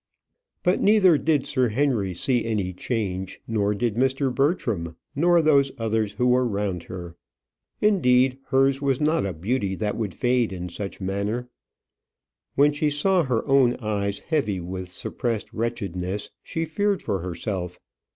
But neither did Sir Henry see any change, nor did Mr. Bertram, nor those others who were round her. Indeed, hers was not a beauty that would fade in such manner. When she saw her own eyes heavy with suppressed wretchedness, she feared for herself.